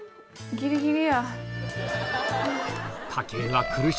ギリギリや。